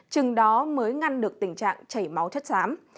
chừng đó mới ngăn được tình trạng chảy máu chất xám